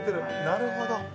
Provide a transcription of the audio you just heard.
なるほど」